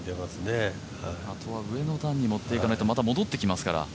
あとは上の段に持っていかないと、また戻ってきますから。